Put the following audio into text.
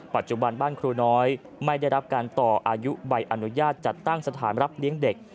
ปัจจุบันบ้านครูน้อยไม่ได้รับการต่ออายุใบอนุญาตจัดตั้งสถานรับเลี้ยงเด็ก